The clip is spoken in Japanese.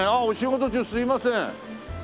お仕事中すいません。